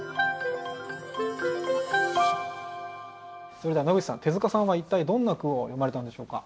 それでは野口さん手塚さんは一体どんな句を詠まれたんでしょうか？